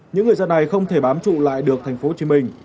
những người dân này không thể bám trụ lại được thành phố hồ chí minh